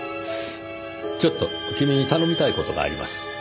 ちょっと君に頼みたい事があります。